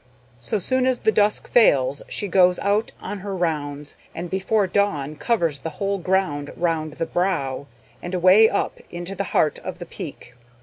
So soon as the dusk fails, she goes out on her rounds, and before dawn covers the whole ground round the Brow, and away up into the heart of the Peak.